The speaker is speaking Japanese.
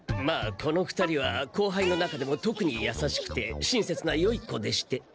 まあこの２人は後輩の中でもとくにやさしくて親切なよい子でして。